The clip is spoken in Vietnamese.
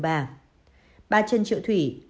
ba trần triệu thủy